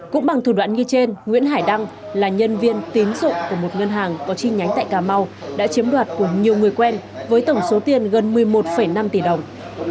cũng bằng thủ đoạn như trên nguyễn hải đăng là nhân viên tín dụng của một ngân hàng có chi nhánh tại cà mau đã chiếm đoạt của nhiều người quen với tổng số tiền gần một mươi một năm tỷ đồng